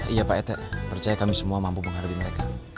iya pak ete percaya kami semua mampu mengharui mereka